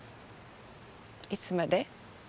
いつまで？